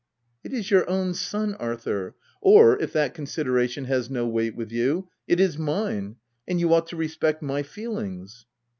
* It is your own son Arthur, — or, if that con sideration has no weight with you, it is mine ; and you ought to respect my feelings."